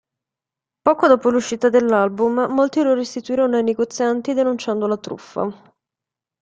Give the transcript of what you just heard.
Poco dopo l'uscita dell'album, molti lo restituirono ai negozianti denunciando la "truffa".